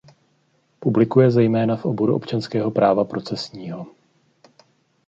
Publikuje zejména v oboru občanského práva procesního.